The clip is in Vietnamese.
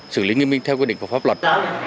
xử lý nghiêm minh theo quy định của pháp luật